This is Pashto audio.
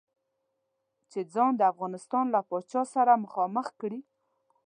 چې ځان د افغانستان له پاچا سره مخامخ کړي.